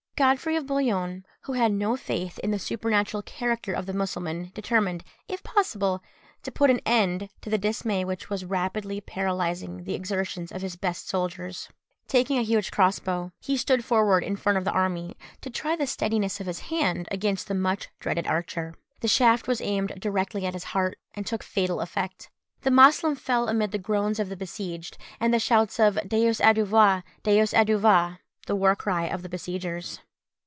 Godfrey of Bouillon, who had no faith in the supernatural character of the Mussulman, determined, if possible, to put an end to the dismay which was rapidly paralysing the exertions of his best soldiers. Taking a huge cross bow, he stood forward in front of the army, to try the steadiness of his hand against the much dreaded archer: the shaft was aimed directly at his heart, and took fatal effect. The Moslem fell amid the groans of the besieged, and the shouts of Deus adjuva! Deus adjuva! the war cry of the besiegers.